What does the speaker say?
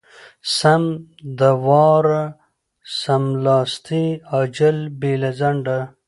سم د واره= سملاسې، عاجل، بې له ځنډه.